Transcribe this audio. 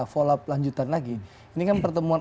follow up lanjutan lagi ini kan pertemuan